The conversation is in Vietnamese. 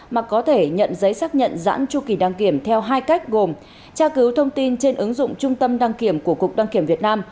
mà có thể nhận giấy xác nhận giãn tru kỳ đăng kiểm theo hai cách gồm tra cứu thông tin trên ứng dụng trung tâm đăng kiểm của cục đăng kiểm việt nam